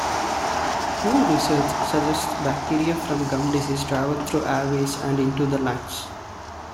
New research suggests bacteria from gum disease travel through airways and into the lungs.